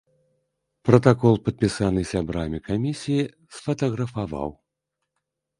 Пратакол, падпісаны сябрамі камісіі, сфатаграфаваў.